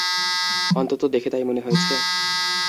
অন্তত দেখে তাই মনে হয়েছে?